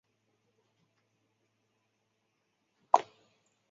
矢尾一树是日本男性声优。